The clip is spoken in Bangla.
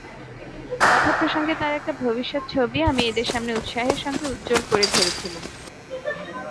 কথাপ্রসঙ্গে তার একটা ভবিষ্যৎ ছবি আমি এঁদের সামনে উৎসাহের সঙ্গে উজ্জ্বল করে ধরেছিলুম।